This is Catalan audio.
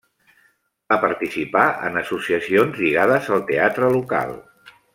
Va participar en associacions lligades al teatre local.